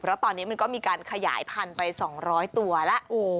เพราะตอนนี้มันก็มีการขยายพันธุ์ไป๒๐๐ตัวแล้ว